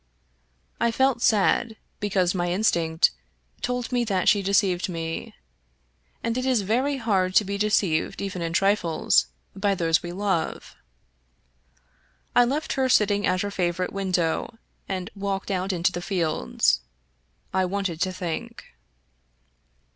I felt sad, because my instinct told me that she deceived me; and it is very hard to be de ceived, even in trifles, by those we love. I left her sitting at her favorite window, and walked out into the fields. I wanted to think.